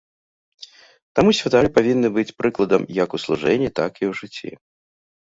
Таму святары павінны быць прыкладам як у служэнні, так і ў жыцці.